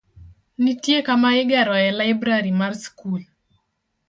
Nitie kama igeroe laibrari mar skul.